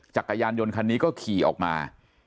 จักรยานยนต์คันนี้ก็ขี่ออกมา